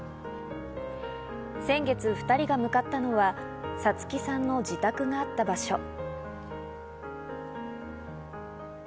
先月、２人が向かったのはさつきさんの自宅があった場所。